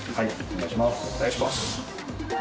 お願いします。